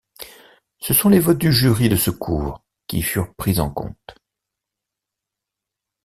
Ce sont les votes du jury de secours qui furent pris en compte.